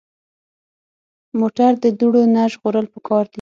موټر د دوړو نه ژغورل پکار دي.